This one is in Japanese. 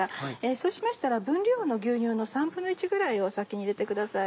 そうしましたら分量の牛乳の１／３ぐらいを先に入れてください。